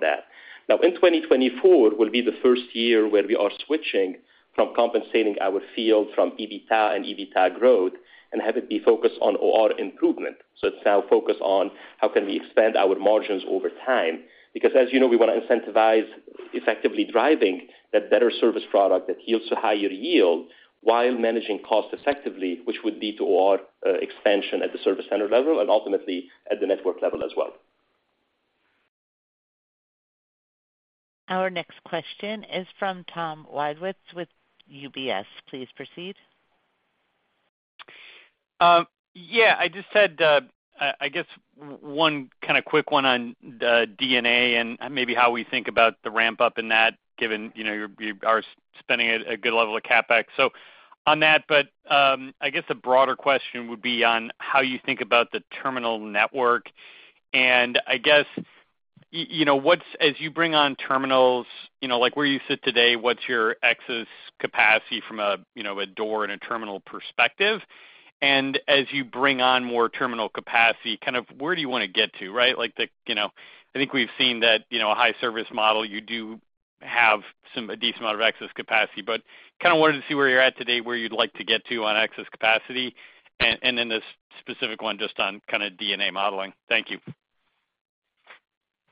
that. Now, in 2024, will be the first year where we are switching from compensating our field from EBITDA and EBITDA growth and have it be focused on OR improvement. So it's now focused on how can we expand our margins over time, because, as you know, we want to incentivize effectively driving that better service product that yields to higher yield while managing costs effectively, which would lead to OR expansion at the service center level and ultimately at the network level as well. Our next question is from Tom Wadewitz with UBS. Please proceed. Yeah, I just had, I guess one kind of quick one on the DNA and maybe how we think about the ramp-up in that, given, you know, you're spending a good level of CapEx. So on that, but I guess a broader question would be on how you think about the terminal network. And I guess, you know, as you bring on terminals, you know, like, where you sit today, what's your excess capacity from a, you know, a door and a terminal perspective? And as you bring on more terminal capacity, kind of where do you want to get to, right? Like, you know, I think we've seen that, you know, a high service model. You do have some—a decent amount of excess capacity, but kind of wanted to see where you're at today, where you'd like to get to on excess capacity, and, and then this specific one just on kind of DNA modeling. Thank you.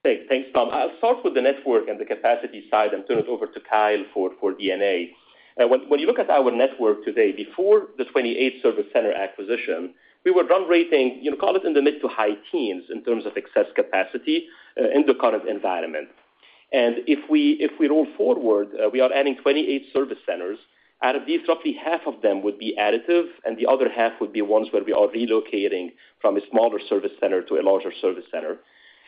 Great. Thanks, Tom. I'll start with the network and the capacity side and turn it over to Kyle for D&A. When you look at our network today, before the 28 service center acquisition, we were run rating, you know, call it in the mid- to high-teens in terms of excess capacity in the current environment. And if we, if we roll forward, we are adding 28 service centers. Out of these, roughly half of them would be additive, and the other half would be ones where we are relocating from a smaller service center to a larger service center. And we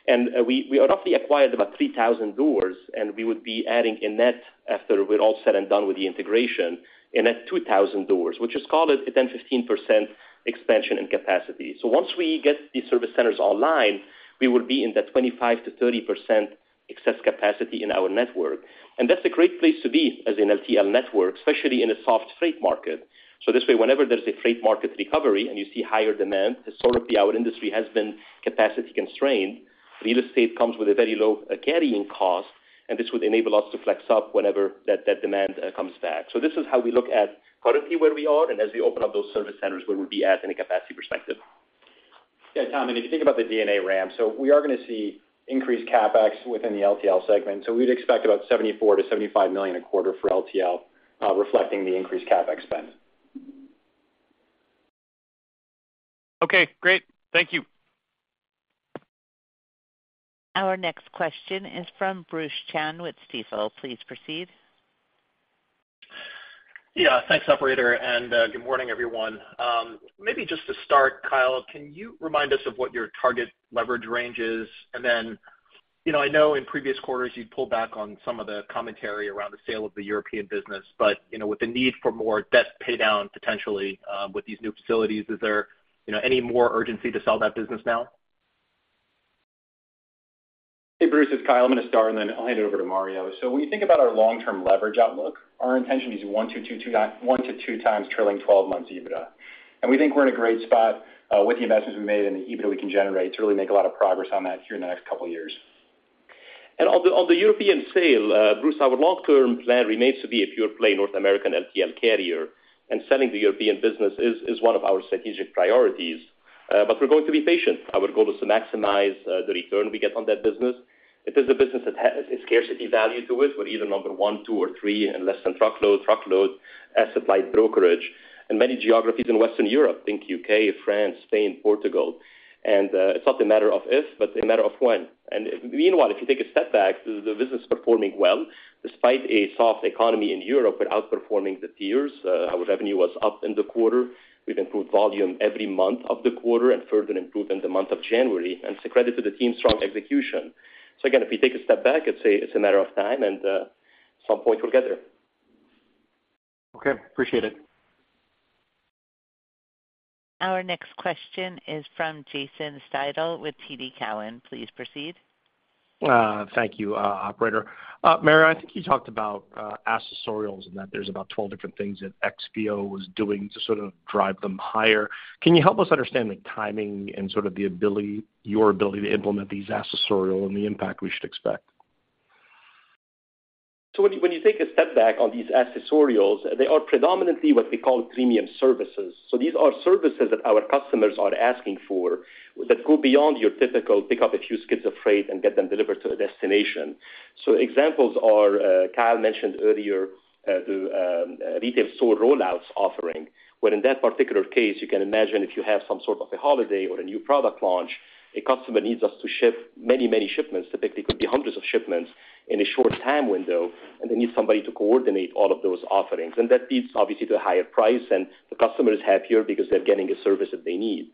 roughly acquired about 3,000 doors, and we would be adding a net after we're all said and done with the integration, a net 2,000 doors, which is, call it a 10%-15% expansion in capacity. So once we get these service centers online, we will be in the 25%-30% excess capacity in our network. And that's a great place to be as an LTL network, especially in a soft freight market. So this way, whenever there's a freight market recovery and you see higher demand, historically our industry has been capacity constrained. Real estate comes with a very low carrying cost, and this would enable us to flex up whenever that, that demand comes back. So this is how we look at currently where we are, and as we open up those service centers, where we'll be at in a capacity perspective. Yeah, Tom, and if you think about the D&A ramp, we are going to see increased CapEx within the LTL segment. We'd expect about $74 million-$75 million a quarter for LTL, reflecting the increased CapEx spend. Okay, great. Thank you. Our next question is from Bruce Chan with Stifel. Please proceed. Yeah. Thanks, operator, and good morning, everyone. Maybe just to start, Kyle, can you remind us of what your target leverage range is? And then, you know, I know in previous quarters you'd pull back on some of the commentary around the sale of the European business, but, you know, with the need for more debt paydown potentially with these new facilities, is there, you know, any more urgency to sell that business now? Hey, Bruce, it's Kyle. I'm going to start, and then I'll hand it over to Mario. So when you think about our long-term leverage outlook, our intention is 1-2 times trailing 12 months EBITDA. And we think we're in a great spot with the investments we made and the EBITDA we can generate to really make a lot of progress on that here in the next couple years. And on the European sale, Bruce, our long-term plan remains to be a pure play North American LTL carrier, and selling the European business is one of our strategic priorities, but we're going to be patient. Our goal is to maximize the return we get on that business. It is a business that has a scarcity value to it. We're either number one, two, or three in less than truckload, truckload, asset-light brokerage, in many geographies in Western Europe, think UK, France, Spain, Portugal. And it's not a matter of if, but a matter of when. And meanwhile, if you take a step back, the business is performing well. Despite a soft economy in Europe, we're outperforming the peers. Our revenue was up in the quarter. We've improved volume every month of the quarter and further improved in the month of January, and it's a credit to the team's strong execution. So again, if you take a step back, it's a, it's a matter of time, and some point we'll get there. Okay, appreciate it. Our next question is from Jason Seidl with TD Cowen. Please proceed. Thank you, operator. Mario, I think you talked about accessorials and that there's about 12 different things that XPO was doing to sort of drive them higher. Can you help us understand the timing and sort of the ability, your ability to implement these accessorial and the impact we should expect? So when you, when you take a step back on these accessorials, they are predominantly what we call premium services. So these are services that our customers are asking for that go beyond your typical pick up a few skids of freight and get them delivered to a destination. So examples are, Kyle mentioned earlier, the retail store rollouts offering, where in that particular case, you can imagine if you have some sort of a holiday or a new product launch, a customer needs us to ship many, many shipments. That they could be hundreds of shipments in a short time window, and they need somebody to coordinate all of those offerings. And that leads, obviously, to a higher price, and the customer is happier because they're getting a service that they need.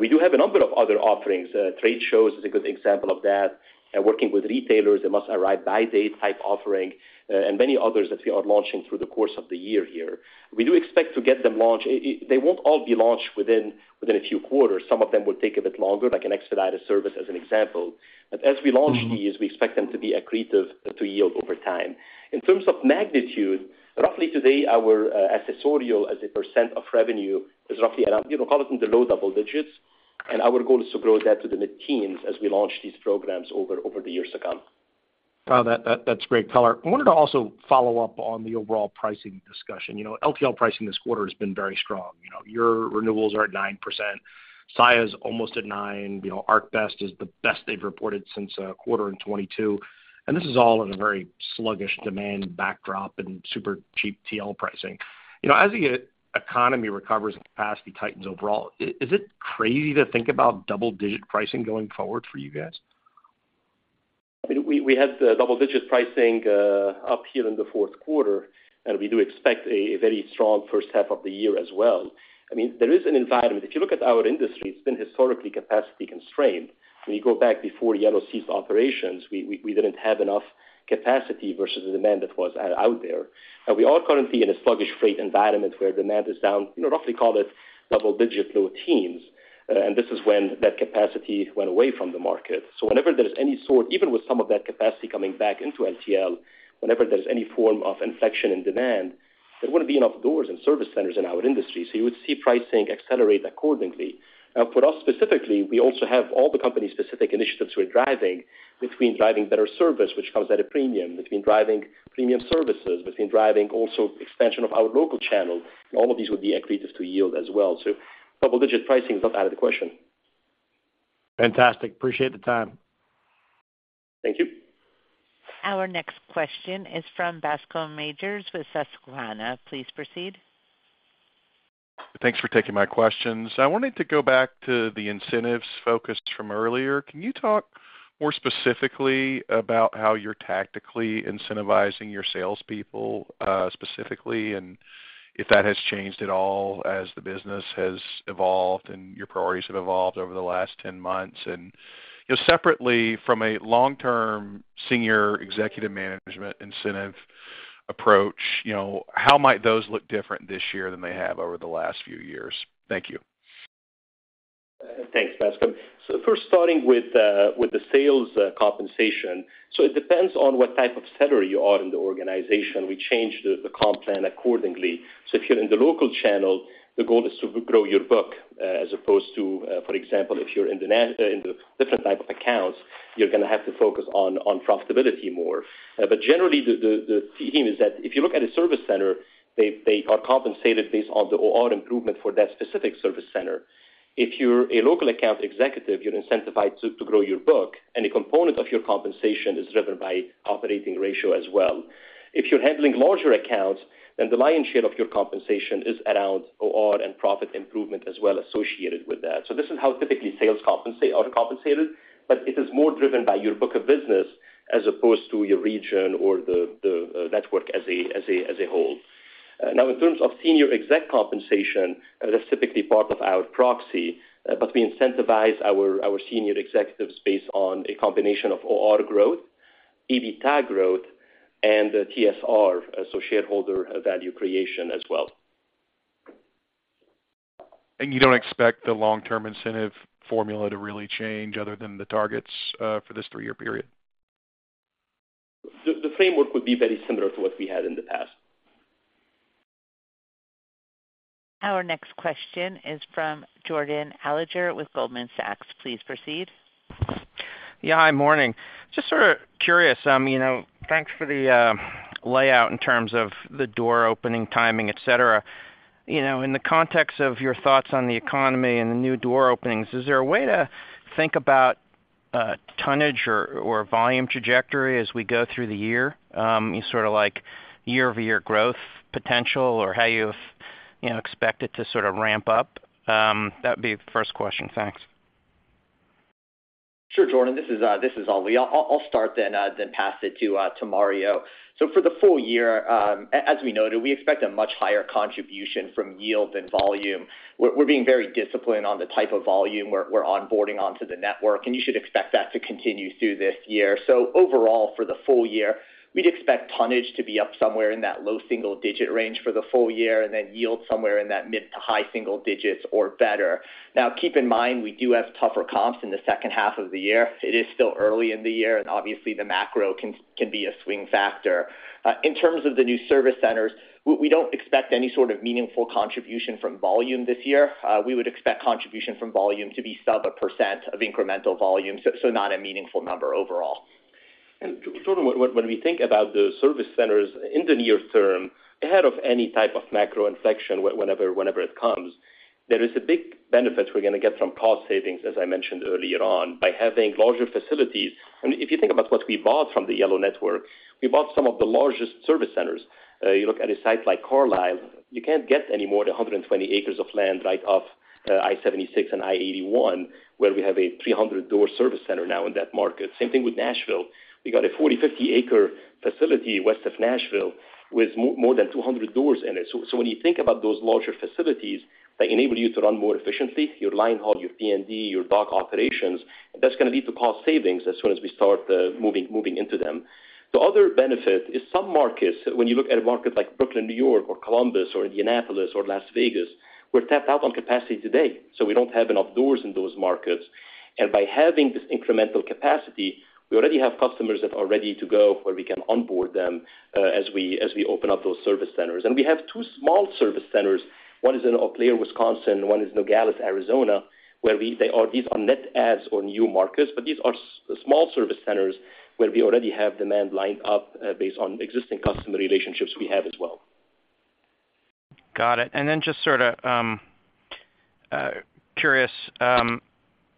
We do have a number of other offerings. Trade shows is a good example of that. Working with retailers, a must-arrive by date type offering, and many others that we are launching through the course of the year here. We do expect to get them launched. They won't all be launched within a few quarters. Some of them will take a bit longer, like an expedited service, as an example. But as we launch these, we expect them to be accretive to yield over time. In terms of magnitude, roughly today, our accessorial as a percent of revenue is roughly around, you know, call it in the low double digits, and our goal is to grow that to the mid-teens as we launch these programs over the years to come. Wow, that's great color. I wanted to also follow up on the overall pricing discussion. You know, LTL pricing this quarter has been very strong. You know, your renewals are at 9%. Saia is almost at 9%. You know, ArcBest is the best they've reported since quarter in 2022, and this is all in a very sluggish demand backdrop and super cheap TL pricing. You know, as the economy recovers and capacity tightens overall, is it crazy to think about double-digit pricing going forward for you guys? I mean, we had the double-digit pricing up here in the fourth quarter, and we do expect a very strong first half of the year as well. I mean, there is an environment. If you look at our industry, it's been historically capacity constrained. When you go back before Yellow ceased operations, we didn't have enough capacity versus the demand that was out there. And we are currently in a sluggish freight environment where demand is down, you know, roughly call it double digit, low teens, and this is when that capacity went away from the market. So whenever there is any sort... even with some of that capacity coming back into LTL, whenever there's any form of inflection in demand, there wouldn't be enough doors and service centers in our industry, so you would see pricing accelerate accordingly. Now, for us specifically, we also have all the company-specific initiatives we're driving, between driving better service, which comes at a premium, between driving premium services, between driving also expansion of our local channel. All of these would be accretive to yield as well. So double-digit pricing is not out of the question. Fantastic. Appreciate the time. Thank you. Our next question is from Bascome Majors with Susquehanna. Please proceed. Thanks for taking my questions. I wanted to go back to the incentives focus from earlier. Can you talk more specifically about how you're tactically incentivizing your salespeople, specifically, and if that has changed at all as the business has evolved and your priorities have evolved over the last 10 months? And, you know, separately, from a long-term senior executive management incentive approach, you know, how might those look different this year than they have over the last few years? Thank you. Thanks, Bascome. So first, starting with, with the sales, compensation. So it depends on what type of seller you are in the organization. We change the comp plan accordingly. So if you're in the local channel, the goal is to grow your book, as opposed to, for example, if you're in the different type of accounts, you're gonna have to focus on, profitability more. But generally, the theme is that if you look at a service center, they are compensated based on the OR improvement for that specific service center. If you're a local account executive, you're incentivized to grow your book, and a component of your compensation is driven by operating ratio as well. If you're handling larger accounts, then the lion's share of your compensation is around OR and profit improvement as well associated with that. So this is how typically sales are compensated, but it is more driven by your book of business as opposed to your region or the network as a whole. Now, in terms of senior exec compensation, that's typically part of our proxy, but we incentivize our senior executives based on a combination of OR growth, EBITDA growth, and the TSR, so shareholder value creation as well. And you don't expect the long-term incentive formula to really change other than the targets for this three-year period? The framework would be very similar to what we had in the past. Our next question is from Jordan Alliger with Goldman Sachs. Please proceed. Yeah. Hi, morning. Just sort of curious, you know, thanks for the layout in terms of the door opening, timing, et cetera. You know, in the context of your thoughts on the economy and the new door openings, is there a way to think about tonnage or volume trajectory as we go through the year? You sort of like year-over-year growth potential or how you've, you know, expect it to sort of ramp up? That'd be the first question. Thanks. Sure, Jordan, this is Ali. I'll start then, pass it to Mario. So for the full year, as we noted, we expect a much higher contribution from yield than volume. We're being very disciplined on the type of volume we're onboarding onto the network, and you should expect that to continue through this year. So overall, for the full year, we'd expect tonnage to be up somewhere in that low single-digit range for the full year, and then yield somewhere in that mid to high single digits or better. Now, keep in mind, we do have tougher comps in the second half of the year. It is still early in the year, and obviously, the macro can be a swing factor. In terms of the new service centers, we don't expect any sort of meaningful contribution from volume this year. We would expect contribution from volume to be sub 1% of incremental volume, so not a meaningful number overall. And Jordan, when we think about the service centers in the near term, ahead of any type of macro inflection, whenever it comes, there is a big benefit we're gonna get from cost savings, as I mentioned earlier on, by having larger facilities. I mean, if you think about what we bought from the Yellow network, we bought some of the largest service centers. You look at a site like Carlisle, you can't get any more than 120 acres of land right off I-76 and I-81, where we have a 300-door service center now in that market. Same thing with Nashville. We got a 40-50 acre facility west of Nashville with more than 200 doors in it. So when you think about those larger facilities that enable you to run more efficiently, your line haul, your P&D, your dock operations, that's going to lead to cost savings as soon as we start moving into them. The other benefit is some markets, when you look at a market like Brooklyn, New York, or Columbus, or Indianapolis, or Las Vegas, we're tapped out on capacity today, so we don't have enough doors in those markets. And by having this incremental capacity, we already have customers that are ready to go, where we can onboard them as we open up those service centers. And we have two small service centers. One is in Eau Claire, Wisconsin, one is in Nogales, Arizona, where they are, these are net adds or new markets, but these are small service centers where we already have demand lined up, based on existing customer relationships we have as well. Got it. And then just sort of curious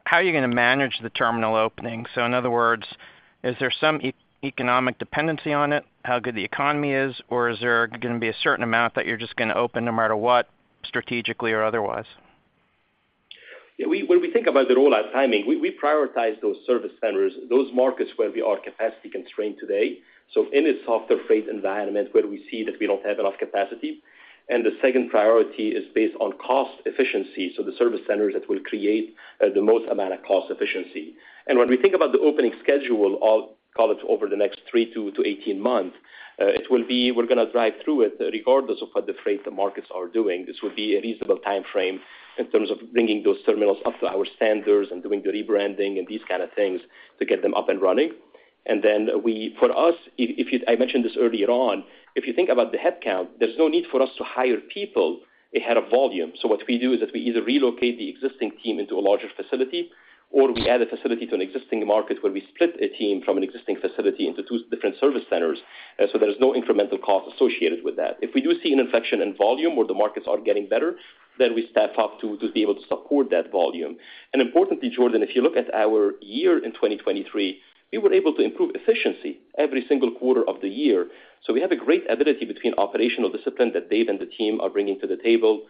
how are you going to manage the terminal opening? So in other words, is there some economic dependency on it, how good the economy is, or is there gonna be a certain amount that you're just going to open no matter what, strategically or otherwise? Yeah, we, when we think about the rollout timing, we prioritize those service centers, those markets where we are capacity-constrained today, so in a softer freight environment, where we see that we don't have enough capacity. And the second priority is based on cost efficiency, so the service centers that will create the most amount of cost efficiency. And when we think about the opening schedule, I'll call it over the next 3-18 months, it will be. We're going to drive through it regardless of what the freight markets are doing. This would be a reasonable time frame in terms of bringing those terminals up to our standards and doing the rebranding and these kind of things to get them up and running. And then, for us, if you... I mentioned this earlier on, if you think about the headcount, there's no need for us to hire people ahead of volume. So what we do is that we either relocate the existing team into a larger facility, or we add a facility to an existing market where we split a team from an existing facility into two different service centers. So there is no incremental cost associated with that. If we do see an inflection in volume, where the markets are getting better, then we staff up to be able to support that volume. And importantly, Jordan, if you look at our year in 2023, we were able to improve efficiency every single quarter of the year. So we have a great ability between operational discipline that Dave and the team are bringing to the table,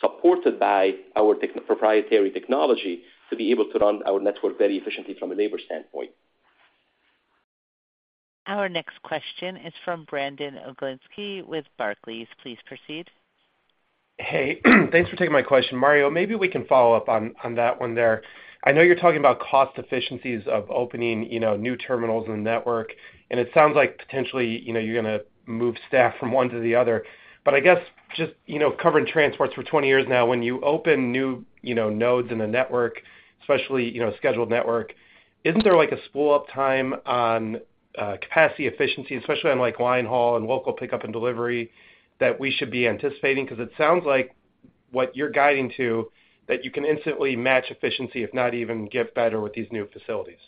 supported by our proprietary technology, to be able to run our network very efficiently from a labor standpoint. Our next question is from Brandon Oglenski with Barclays. Please proceed. Hey, thanks for taking my question. Mario, maybe we can follow up on, on that one there. I know you're talking about cost efficiencies of opening, you know, new terminals in the network, and it sounds like potentially, you know, you're gonna move staff from one to the other. But I guess just, you know, covering transports for 20 years now, when you open new, you know, nodes in the network, especially, you know, scheduled network, isn't there, like, a spool up time on capacity efficiency, especially on, like, line haul and local pickup and delivery, that we should be anticipating? Because it sounds like what you're guiding to, that you can instantly match efficiency, if not even get better with these new facilities.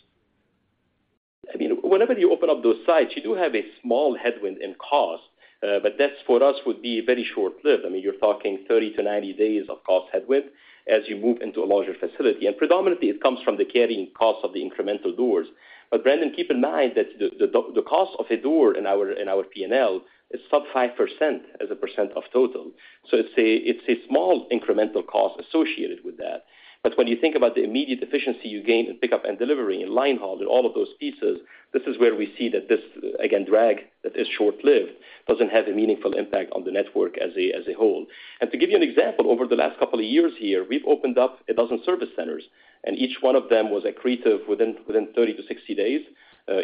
I mean, whenever you open up those sites, you do have a small headwind in cost, but that, for us, would be very short-lived. I mean, you're talking 30-90 days of cost headwind as you move into a larger facility. And predominantly, it comes from the carrying cost of the incremental doors. But Brandon, keep in mind that the cost of a door in our P&L is sub 5% as a percent of total. So it's a small incremental cost associated with that. But when you think about the immediate efficiency you gain in pickup and delivery, in line haul, in all of those pieces, this is where we see that again, drag that is short-lived, doesn't have a meaningful impact on the network as a whole. To give you an example, over the last couple of years here, we've opened up a dozen service centers, and each one of them was accretive within 30-60 days.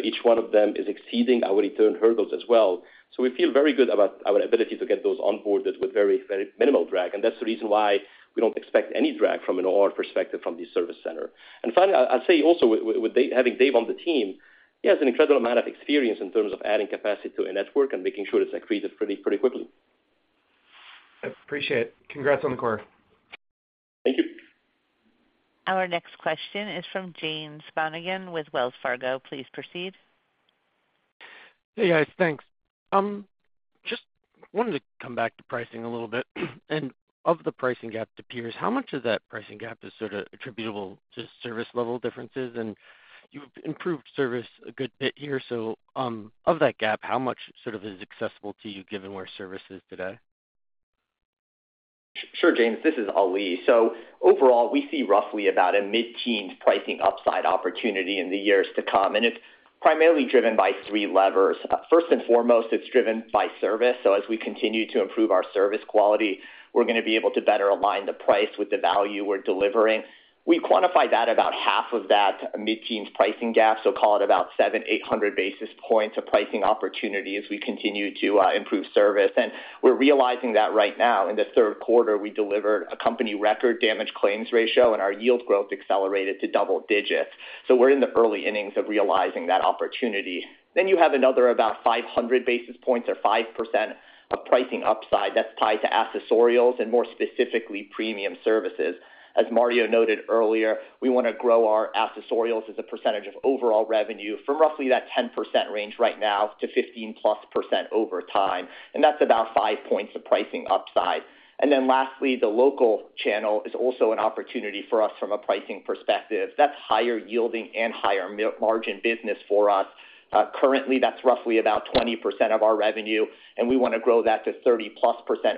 Each one of them is exceeding our return hurdles as well. So we feel very good about our ability to get those onboarded with very, very minimal drag, and that's the reason why we don't expect any drag from an OR perspective from the service center. And finally, I'd say also with Dave, having Dave on the team, he has an incredible amount of experience in terms of adding capacity to a network and making sure it's accretive pretty quickly. I appreciate it. Congrats on the quarter. Thank you. Our next question is from James Monigan with Wells Fargo. Please proceed. Hey, guys, thanks. Just wanted to come back to pricing a little bit. Of the pricing gap to peers, how much of that pricing gap is sort of attributable to service level differences? And you've improved service a good bit here, so, of that gap, how much sort of is accessible to you, given where service is today? Sure, James, this is Ali. So overall, we see roughly about a mid-teens pricing upside opportunity in the years to come, and it's primarily driven by three levers. First and foremost, it's driven by service. So as we continue to improve our service quality, we're gonna be able to better align the price with the value we're delivering. We quantify that about half of that mid-teens pricing gap, so call it about 700-800 basis points of pricing opportunity as we continue to improve service. And we're realizing that right now. In the third quarter, we delivered a company record damage claims ratio, and our yield growth accelerated to double digits. So we're in the early innings of realizing that opportunity. Then you have another about 500 basis points or 5% of pricing upside that's tied to accessorials and more specifically, premium services. As Mario noted earlier, we want to grow our accessorials as a percentage of overall revenue from roughly that 10% range right now to 15%+ over time, and that's about 5 points of pricing upside. Then lastly, the local channel is also an opportunity for us from a pricing perspective. That's higher yielding and higher margin business for us. Currently, that's roughly about 20% of our revenue, and we want to grow that to 30%+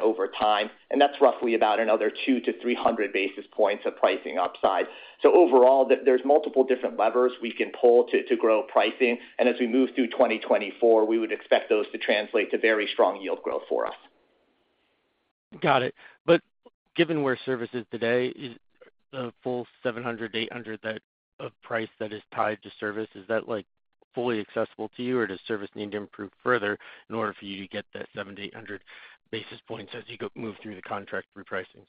over time, and that's roughly about another 200-300 basis points of pricing upside. So overall, there's multiple different levers we can pull to grow pricing, and as we move through 2024, we would expect those to translate to very strong yield growth for us. Got it. But given where service is today, is the full 700, 800, that price that is tied to service, is that, like, fully accessible to you, or does service need to improve further in order for you to get that 700-800 basis points as you go move through the contract repricings?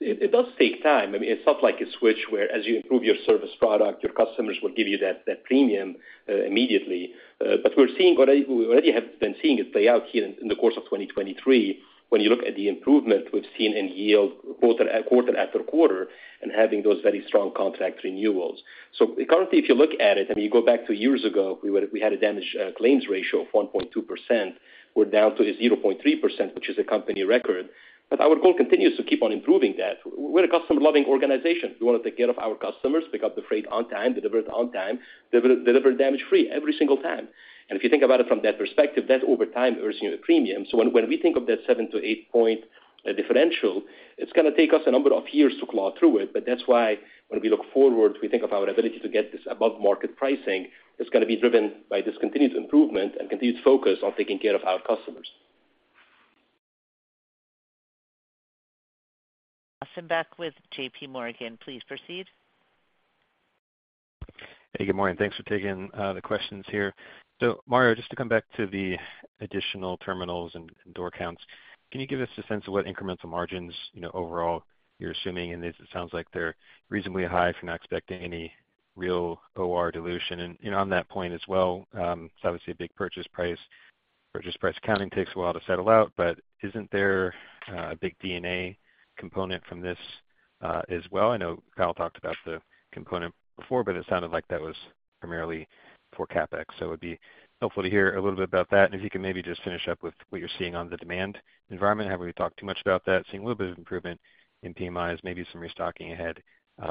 It does take time. I mean, it's not like a switch, whereas you improve your service product, your customers will give you that premium immediately. But we're seeing what we already have been seeing it play out here in the course of 2023, when you look at the improvement we've seen in yield, quarter after quarter after quarter, and having those very strong contract renewals. So currently, if you look at it, I mean, you go back to years ago, we had a damage claims ratio of 1.2%. We're down to a 0.3%, which is a company record. But our goal continues to keep on improving that. We're a customer-loving organization. We want to take care of our customers, pick up the freight on time, deliver it on time, deliver damage-free every single time. And if you think about it from that perspective, that, over time, earns you a premium. So when we think of that 7-8 point differential, it's going to take us a number of years to claw through it, but that's why when we look forward, we think of our ability to get this above-market pricing. It's going to be driven by this continued improvement and continued focus on taking care of our customers. Brian Ossenbeck with J.P. Morgan, please proceed. Hey, good morning. Thanks for taking the questions here. So Mario, just to come back to the additional terminals and door counts, can you give us a sense of what incremental margins, you know, overall you're assuming in this? It sounds like they're reasonably high if you're not expecting any real OR dilution. And, you know, on that point as well, it's obviously a big purchase price. Purchase price accounting takes a while to settle out, but isn't there a big D&A component from this as well? I know Kyle talked about the component before, but it sounded like that was primarily for CapEx. So it would be helpful to hear a little bit about that. And if you can maybe just finish up with what you're seeing on the demand environment. Haven't really talked too much about that. Seeing a little bit of improvement in PMIs, maybe some restocking ahead,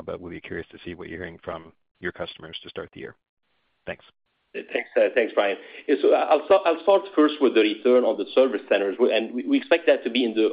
but we'll be curious to see what you're hearing from your customers to start the year. Thanks. Thanks. Thanks, Brian. Yeah, so I'll start first with the return on the service centers, and we expect that to be in the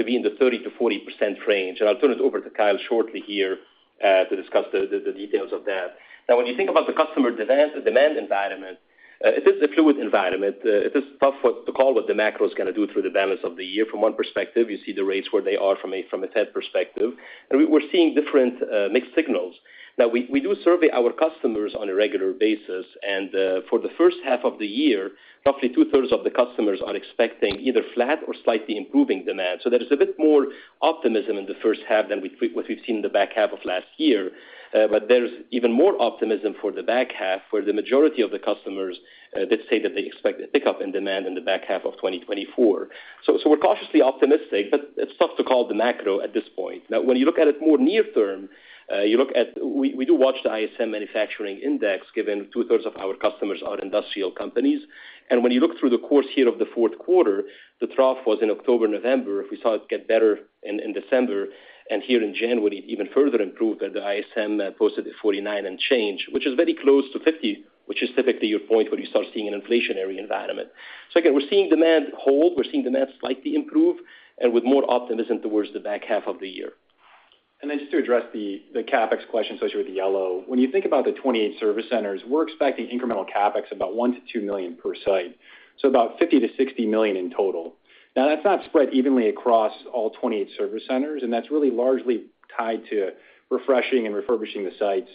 30%-40% range on the long run. I'll turn it over to Kyle shortly here to discuss the details of that. Now, when you think about the customer demand, the demand environment, it is a fluid environment. It is tough to call what the macro is gonna do through the balance of the year. From one perspective, you see the rates where they are from a Fed perspective, and we're seeing different mixed signals. Now, we do survey our customers on a regular basis, and for the first half of the year, roughly two-thirds of the customers are expecting either flat or slightly improving demand. So there is a bit more optimism in the first half than what we've seen in the back half of last year. But there's even more optimism for the back half, where the majority of the customers did say that they expect a pickup in demand in the back half of 2024. So we're cautiously optimistic, but it's tough to call the macro at this point. Now, when you look at it more near term, we do watch the ISM Manufacturing Index, given two-thirds of our customers are industrial companies. And when you look through the course here of the fourth quarter, the trough was in October, November. We saw it get better in December, and here in January, it even further improved, and the ISM posted a 49 unchanged, which is very close to 50, which is typically your point where you start seeing an inflationary environment. So again, we're seeing demand hold, we're seeing demand slightly improve, and with more optimism towards the back half of the year. And then just to address the CapEx question associated with Yellow. When you think about the 28 service centers, we're expecting incremental CapEx about $1 million-$2 million per site, so about $50 million-$60 million in total. Now, that's not spread evenly across all 28 service centers, and that's really largely tied to refreshing and refurbishing the sites,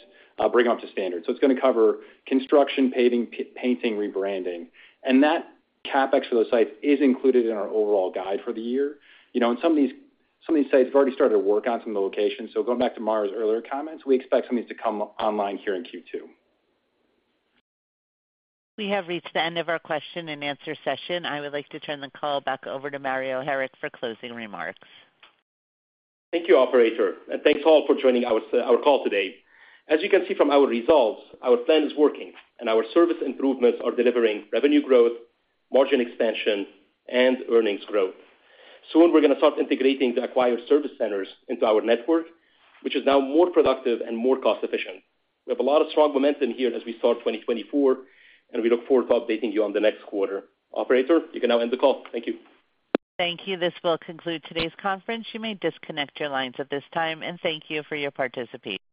bring them up to standard. So it's going to cover construction, paving, painting, rebranding, and that CapEx for those sites is included in our overall guide for the year. You know, and some of these, some of these sites have already started to work on some of the locations. So going back to Mario's earlier comments, we expect some of these to come online here in Q2. We have reached the end of our question-and-answer session. I would like to turn the call back over to Mario Harik for closing remarks. Thank you, operator, and thanks all for joining our call today. As you can see from our results, our plan is working, and our service improvements are delivering revenue growth, margin expansion, and earnings growth. Soon, we're going to start integrating the acquired service centers into our network, which is now more productive and more cost efficient. We have a lot of strong momentum here as we start 2024, and we look forward to updating you on the next quarter. Operator, you can now end the call. Thank you. Thank you. This will conclude today's conference. You may disconnect your lines at this time, and thank you for your participation.